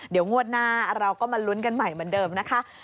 เดี๋ยวงวดหน้าเราก็มาลุ้นกันใหม่เหมือนเดิมนะคะ